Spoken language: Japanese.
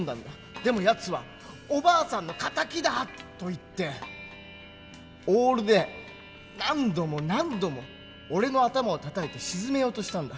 でもやつは「おばあさんの敵だ！」と言ってオールで何度も何度も俺の頭をたたいて沈めようとしたんだ。